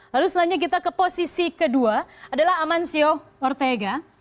lalu setelahnya kita ke posisi kedua adalah amancio ortega